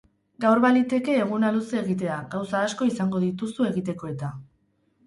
Gaur baliteke eguna luze egitea, gauza asko izango dituzu egiteko eta.